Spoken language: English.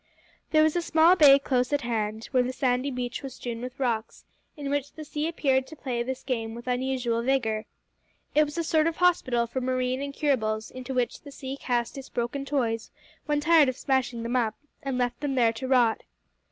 There was a small bay close at hand, where the sandy beach was strewn with rocks, in which the sea appeared to play this game with unusual vigour. It was a sort of hospital for marine incurables, into which the sea cast its broken toys when tired of smashing them up, and left them there to rot.